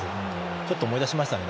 ちょっと思い出しましたね